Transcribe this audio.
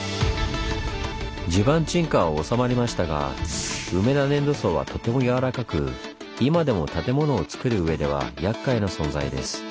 地盤沈下は収まりましたが梅田粘土層はとてもやわらかく今でも建物をつくるうえではやっかいな存在です。